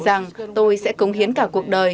rằng tôi sẽ cống hiến cả cuộc đời